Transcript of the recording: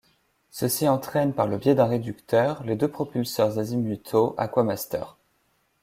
Ceux-ci entraînent par le biais d'un réducteur, les deux propulseurs azimutaux Aquamaster.